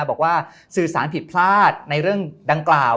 บอกว่าสื่อสารผิดพลาดในเรื่องดังกล่าว